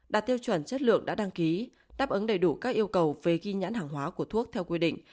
đạt tiêu chuẩn chất lượng đã đăng ký đáp ứng đầy đủ các yêu cầu về ghi nhãn hàng hóa của thuốc theo quy định